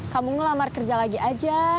kamu ngelamar kerja lagi aja